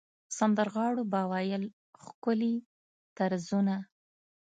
سندرغاړو به ویل ښکلي طرزونه.